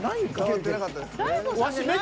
触ってなかったですね。